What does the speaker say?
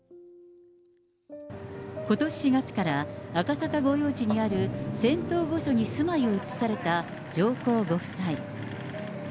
ことし４月から、赤坂御用地にある仙洞御所に住まいを移された上皇ご夫妻。